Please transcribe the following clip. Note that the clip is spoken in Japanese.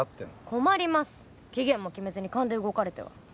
困ります期限も決めずに勘で動かれては。